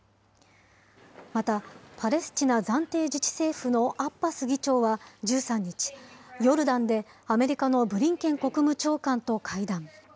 また、パレスチナ暫定自治政府のアッバス議長は１３日、ヨルダンでアメリカのブリンケン国務長官と会談。